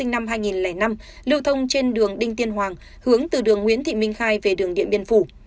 năm hai nghìn năm lưu thông trên đường đinh tiên hoàng hướng từ đường nguyễn thị minh khai về đường điện biên phủ